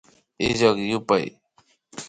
Illak yupay